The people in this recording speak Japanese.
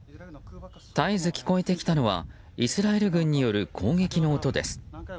絶えず聞こえてきたのはイスラエル軍による攻撃の音です。